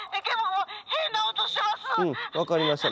うん分かりました。